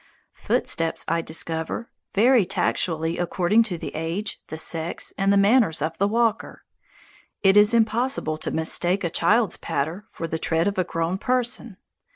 Footsteps, I discover, vary tactually according to the age, the sex, and the manners of the walker. It is impossible to mistake a child's patter for the tread of a grown person.